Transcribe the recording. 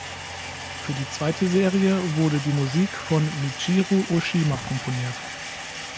Für die zweite Serie wurde die Musik von Michiru Oshima komponiert.